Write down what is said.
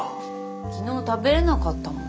昨日食べれなかったもん。